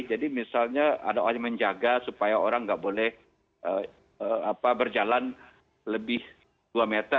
jadi misalnya ada orang yang menjaga supaya orang tidak boleh berjalan lebih dua meter